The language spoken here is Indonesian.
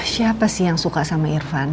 siapa sih yang suka sama irfan